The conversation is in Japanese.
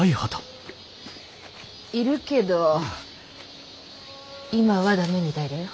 いるけど今は駄目みたいだよ。